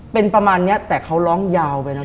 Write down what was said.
เป็นประมาณนี้แต่เขาร้องยาวไปนะ